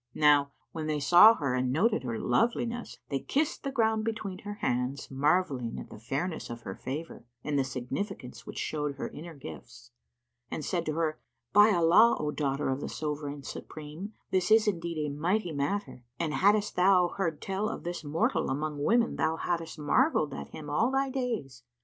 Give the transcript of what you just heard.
Now when they saw her and noted her loveliness, they kissed the ground between her hands, marvelling at the fairness of her favour and the significance which showed her inner gifts, and said to her, "By Allah, O daughter of the Sovran Supreme, this is indeed a mighty matter: and haddest thou heard tell of this mortal among women thou haddest marvelled at him all thy days.